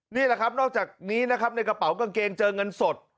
นี่แหละครับนอกจากนี้นะครับในกระเป๋ากางเกงเจอเงินสด